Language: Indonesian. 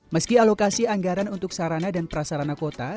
meski alokasi anggaran untuk sarana dan prasarana kota